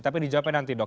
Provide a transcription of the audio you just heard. tapi dijawabkan nanti dok